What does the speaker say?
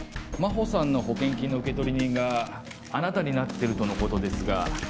真帆さんの保険金の受取人があなたになってるとのことですが。